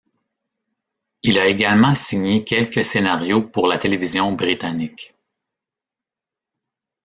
Il a également signé quelques scénarios pour la télévision britannique.